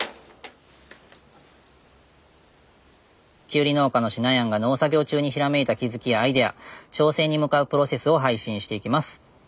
きゅうり農家のしなやんが農作業中にひらめいた気付きやアイデア挑戦に向かうプロセスを配信していきます。